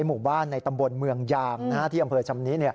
หมู่บ้านในตำบลเมืองยางที่อำเภอชำนิ